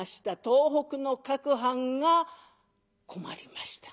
東北の各藩が困りました。